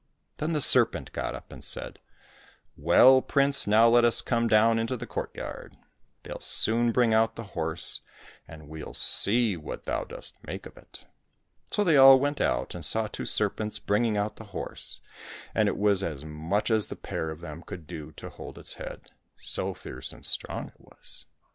Then the serpent got upland said, " Well, prince, now let us come down into the courtyard ; they'll soon bring out the horse, and we'll see what thou dost make of it." So they all went out and saw two serpents bringing out the horse, and it was as much as the pair of them could do to hold its head, so fierce and strong it was.